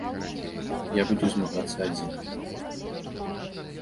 Я буду змагацца адзін.